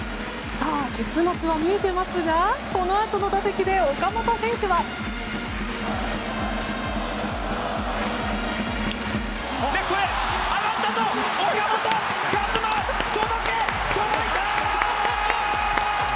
さあ、結末は見えていますがこのあとの打席で岡本選手は。上がったぞ岡本和真！届いた！